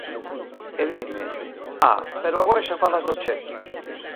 E dime "ah, pero agora xa falas do Che".